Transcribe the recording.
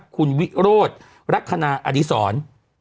คุณวิโรธลักษณะอดีศร